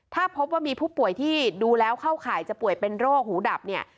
ถ้าพบว่ามีผู้ป่วยที่ดูแล้วเข้าข่ายจะป่วยเป็นโรคหูดับเนี่ย